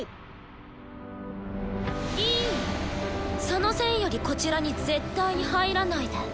その線よりこちらに絶対に入らないで。